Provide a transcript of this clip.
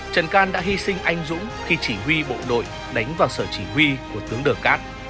trần can đã hy sinh anh dũng khi chỉ huy bộ đội đánh vào sở chỉ huy của tướng đờ cát